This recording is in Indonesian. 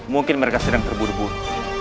mungkin mereka sedang terburu buru